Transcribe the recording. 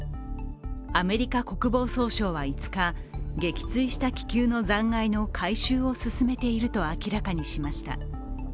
アメリカ国防総省は５日撃墜した気球の残骸の回収を進めていると明らかにしました。